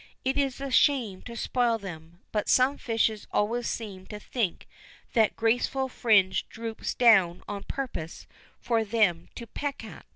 It is a shame to spoil them, but some fishes always seem to think that graceful fringe droops down on purpose for them to peck at.